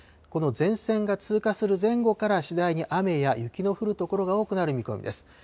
この前線が通過する前後から、次第に雨や雪の降る所が多くなる見込みです。